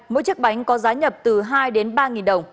mỗi chiếc bánh có giá nhập từ hai đến ba đồng